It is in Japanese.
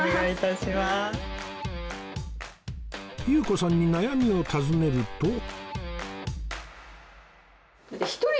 祐子さんに悩みを尋ねると